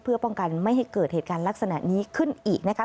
เพื่อป้องกันไม่ให้เกิดเหตุการณ์ลักษณะนี้ขึ้นอีกนะคะ